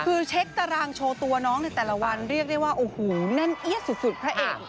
คือเช็คตารางโชว์ตัวน้องในแต่ละวันเรียกได้ว่าโอ้โหแน่นเอี๊ยดสุดพระเอก